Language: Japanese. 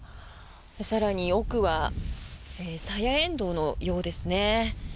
更に、奥はサヤエンドウのようですね。